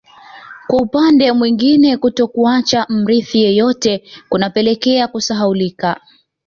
Kwa upande mwingine kutokuacha mrithi yeyote kunapelekea kusahaulika